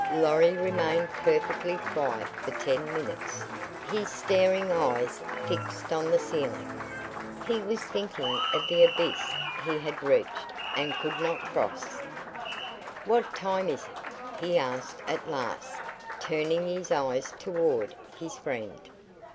Lorry remained perfectly quiet for ten minutes, his staring eyes fixed on the ceiling. He was thinking of the abyss he had reached and could not cross. "What time is it?" he asked at last, turning his eyes toward his friend.